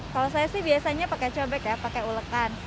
kalau saya sih biasanya pakai cobek ya pakai ulekan